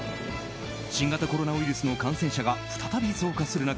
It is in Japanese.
新型コロナウイルスの感染者が再び増加する中